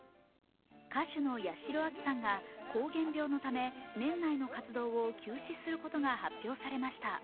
歌手の八代亜紀さんが、膠原病のため年内の活動を休止することが発表されました。